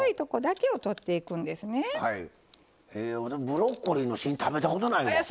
ブロッコリーの芯食べたことないわ。